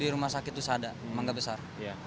di rumah sakit usada mangga besar